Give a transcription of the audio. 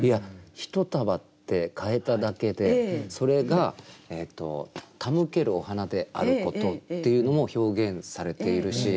「一束」って変えただけでそれが手向けるお花であることっていうのも表現されているし。